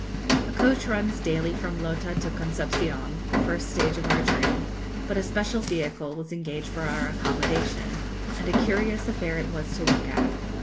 A coach runs daily from Lota to Concepcion, the first stage of our journey, but a special vehicle was engaged for our accommodation, and a curious affair it was to look at.